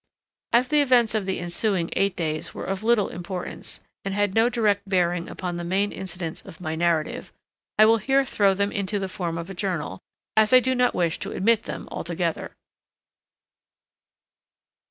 As the events of the ensuing eight days were of little importance, and had no direct bearing upon the main incidents of my narrative, I will here throw them into the form of a journal, as I do not wish to omit them altogether.